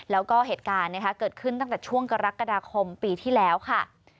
แล้วก็เหตุการณ์เกิดขึ้นตั้งแต่ช่วงกรกฎาคมปีที่แล้วค่ะ